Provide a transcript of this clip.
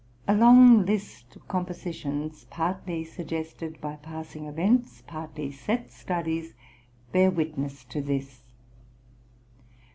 A long list of compositions, partly suggested by passing events, partly set studies, bear witness to this.